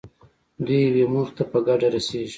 دوی یوې موخې ته په ګډه رسېږي.